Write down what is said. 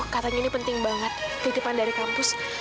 katanya ini penting banget ke depan dari kampus